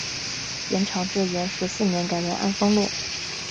元朝至元十四年改为安丰路。